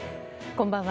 こんばんは。